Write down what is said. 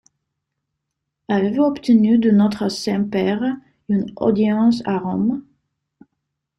Avez-vous obtenu de notre Saint-Père une audience à Rome?